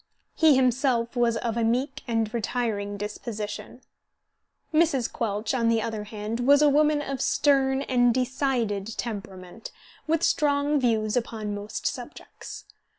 He himself was of a meek and retiring disposition. Mrs. Quelch, on the other hand, was a woman of stern and decided temperament, with strong views upon most subjects.